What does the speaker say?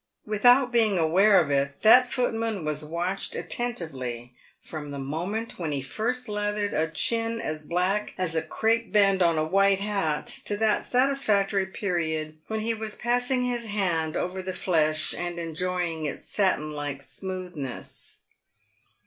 Without being aware of it, that foot man was watched attentively, from the moment when he first lathered a chin as black as a crape band on a white hat, to that satisfactory period when he was passing his hand over the flesh and enjoying its satin like smoothness.